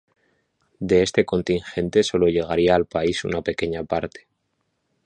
De este contingente sólo llegaría al país una pequeña parte.